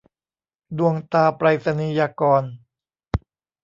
ดวงตราไปรษณียากร